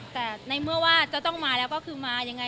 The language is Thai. แต่ในเมื่อว่าจะต้องมาแล้วก็คือมายังไง